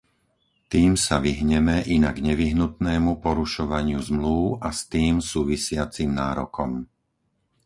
Tým sa vyhneme inak nevyhnutnému porušovaniu zmlúv a s tým súvisiacim nárokom.